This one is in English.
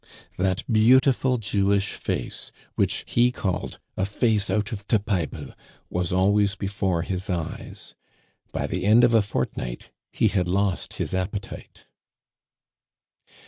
That beautiful Jewish face, which he called "a face out of te Biple," was always before his eyes. By the end of a fortnight he had lost his appetite.